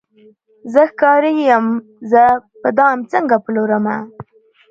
زه ښکاري یم زه به دام څنګه پلورمه